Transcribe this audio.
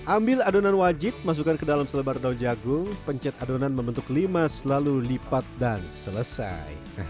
ambil adonan wajib masukkan ke dalam selebar daun jagung pencet adonan membentuk lima selalu lipat dan selesai